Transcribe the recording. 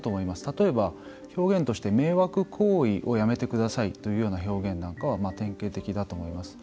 例えば、表現として迷惑行為をやめてくださいというような表現なんかは典型的だと思います。